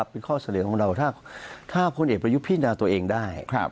เป็นข้อเสนอของเราถ้าพลเอกประยุทธ์พินาตัวเองได้